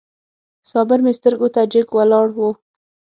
صابر مې سترګو ته جګ ولاړ و.